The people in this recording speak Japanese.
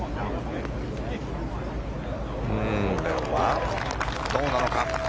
これはどうなのか。